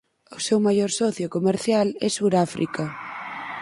O seu maior socio comercial é Suráfrica.